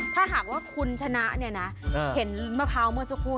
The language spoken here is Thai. ถ้าหากว่าคุณชนะเห็นมะพร้าวเมื่อสักครู่